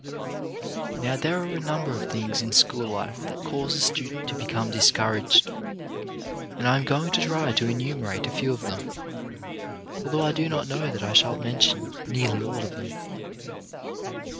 Now there are a number of things in school life that cause a student to become discouraged, and I am going to try to enumerate a few of them, although I do not know that I shall mention nearly all of them.